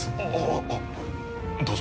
あっどうぞ。